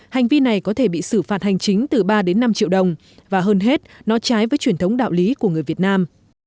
hành vi này có thể bị xử phạt hành chính từ ba đến năm triệu đồng và hơn hết nó trái với truyền thống đạo lý của người việt nam